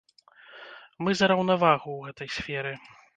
Мы за раўнавагу ў гэтай сферы.